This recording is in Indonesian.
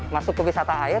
masuk ke wisata air